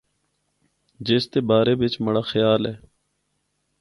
جس دے بارے بچ مڑا خیال ہے۔